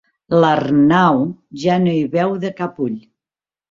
L'Arnau ja no hi veu de cap ull.